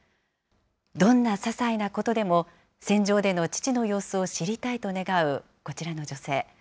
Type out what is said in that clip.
どんなささいなことでも、戦場での父の様子を知りたいと願う、こちらの女性。